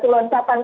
pindah ke rumah